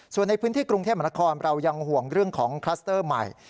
ส่วนในพื้นที่กรุงเทพมนครเรายังห่วงเรื่องของคลัสเตอร์ใหม่